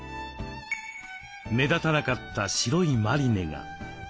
目立たなかった白いマリネが。